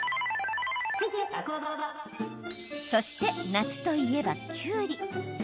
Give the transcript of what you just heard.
そして夏といえば、きゅうり。